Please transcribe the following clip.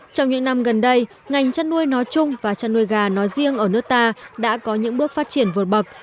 trong những năm gần đây ngành chăn nuôi nói chung và chăn nuôi gà nói riêng ở nước ta đã có những bước phát triển vượt bậc